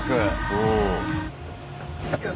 うん。